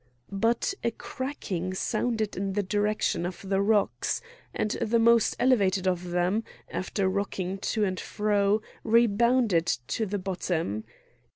But a cracking sounded in the direction of the rocks; and the most elevated of them, after rocking to and fro, rebounded to the bottom.